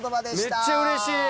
めっちゃうれしい。